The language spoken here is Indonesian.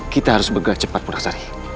kita harus bergerak cepat pura sari